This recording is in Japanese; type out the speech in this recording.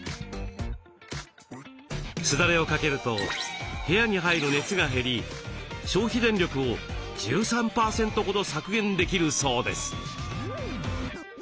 すだれを掛けると部屋に入る熱が減り消費電力を１３％ほど削減できるそうです。